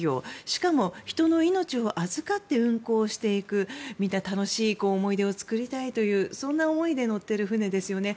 しかも人の命を預かって運航していく見て、楽しい思い出を作りたいというそんな思いで乗っている船ですよね。